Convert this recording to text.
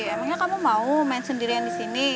emangnya kamu mau main sendirian di sini